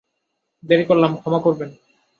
দেরি করলাম, ক্ষমা করবেন।